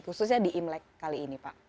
khususnya di imlek kali ini pak